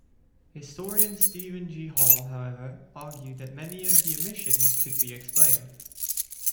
Historian Stephen G. Haw however argued that many of the "omissions" could be explained.